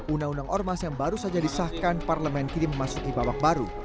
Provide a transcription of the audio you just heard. undang undang ormas yang baru saja disahkan parlemen kini memasuki babak baru